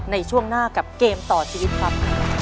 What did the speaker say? ในช่วงหน้ากับเกมต่อชีวิตครับ